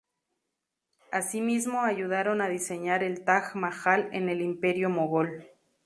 Asimismo ayudaron a diseñar el Taj Mahal en el Imperio mogol.